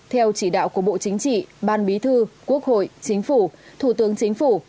theo chỉ đạo của bộ chính trị ban bí thư quốc hội chính phủ thủ tướng chính phủ